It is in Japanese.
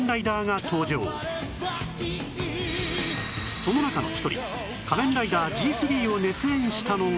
その中の一人仮面ライダー Ｇ３ を熱演したのが